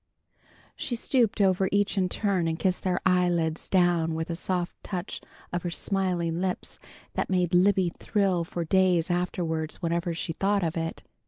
She stooped over each in turn and kissed their eyelids down with a soft touch of her smiling lips that made Libby thrill for days afterward, whenever she thought of it.